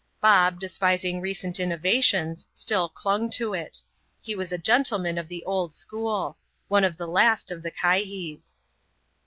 Bob, despising recent innovations, still clung to it He was a gentleman of the old school — one of the last of the Kihees.